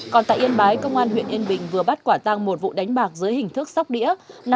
còn tại yên bái công an huyện yên bình vừa bắt quả tăng một vụ đánh bạc dưới hình thức sóc đĩa